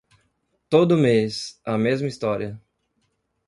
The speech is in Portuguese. Todo mês, a mesma história.